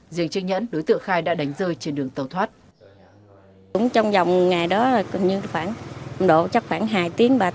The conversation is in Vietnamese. riêng trinh nhẫn đối tượng khai đã đánh rơi trên đường tàu thoát